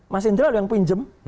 mas indra ada yang pinjem